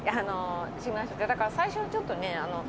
だから最初ちょっとね。